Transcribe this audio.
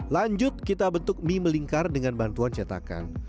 lalu kita bentuk mie melingkar dengan bantuan cetakan